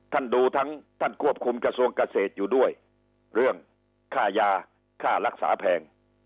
ท่านดูทั้งท่านควบคุมกระทรวงเกษตรอยู่ด้วยเรื่องค่ายาค่ารักษาแพง